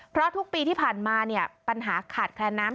เพราะทุกปีที่ผ่านมาเนี่ยปัญหาขาดแคลนน้ำ